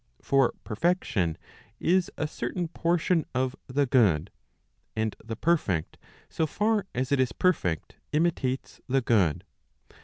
For perfection is a certain portion of the good, and the perfect, so far as it is perfect, imitates the good.